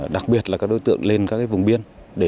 đặc biệt là các đối tượng lên các vùng biên